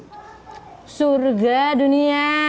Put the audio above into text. ini juga surga dunia